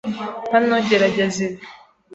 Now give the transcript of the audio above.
Hano, gerageza ibi.